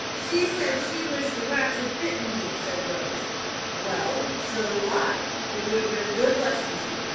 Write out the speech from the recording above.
"She said she wished the rats had bitten me," said Rose. "Well, so do I. It would have been a good lesson to you.